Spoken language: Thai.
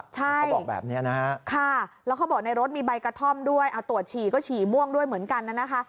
ใช่ค่ะแล้วเขาบอกในรถมีใบกระท่อมด้วยตรวจฉี่ก็ฉี่ม่วงด้วยเหมือนกัน